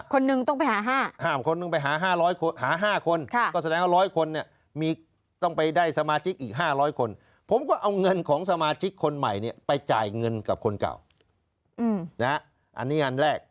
คนหนึ่งต้องไปหาห้าห้าคนก็แสดงว่าร้อยคนเนี่ยต้องไปได้สมาชิกอีกห้าร้อยคนผมก็เอาเงินของสมาชิกคนใหม่เนี่ยไปจ่ายเงินกับคนเก่านะอันนี้อันแรก